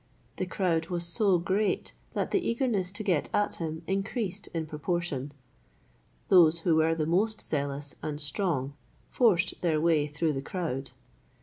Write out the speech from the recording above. The crowd was so great that the eagerness to get at him increased in proportion. Those who were the most zealous and strong forced their way through the crowd.